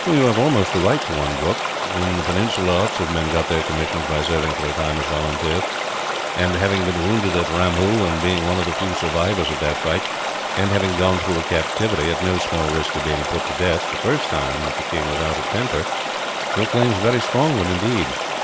"You have almost a right to one, Brooke. In the Peninsula lots of men got their commissions by serving for a time as volunteers; and having been wounded at Ramoo, and being one of the few survivors of that fight; and having gone through a captivity, at no small risk of being put to death the first time that the king was out of temper, your claim is a very strong one, indeed.